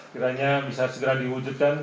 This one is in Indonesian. kiranya bisa segera diwujudkan